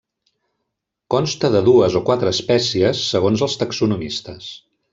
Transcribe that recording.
Consta de dues o quatre espècies, segons els taxonomistes.